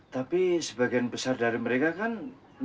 tapi sebagian besar dari mereka kan